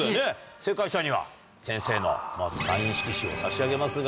正解者には先生のサイン色紙を差し上げますが。